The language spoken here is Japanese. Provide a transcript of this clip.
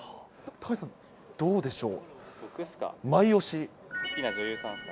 高橋さん、どうでしょう。